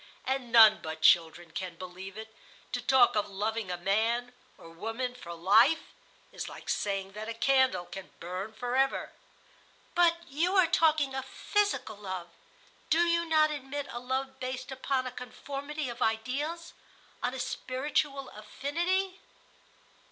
And none but children can believe it. To talk of loving a man or woman for life is like saying that a candle can burn forever." "But you are talking of physical love. Do you not admit a love based upon a conformity of ideals, on a spiritual affinity?"